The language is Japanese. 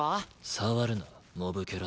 触るなモブキャラ